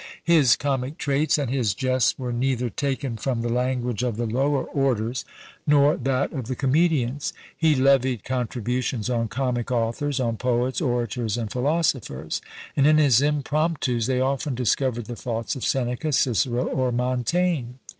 His comic traits and his jests were neither taken from the language of the lower orders, nor that of the comedians. He levied contributions on comic authors, on poets, orators, and philosophers; and in his impromptus they often discovered the thoughts of Seneca, Cicero, or Montaigne.